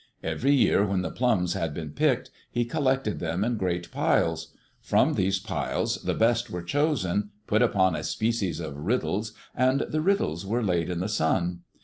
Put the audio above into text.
Every year when the plums had been picked, he collected them in great piles; from these piles the best were chosen, put upon a species of riddles, and the riddles were laid in the sun.